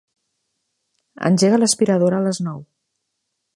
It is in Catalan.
Engega l'aspiradora a les nou.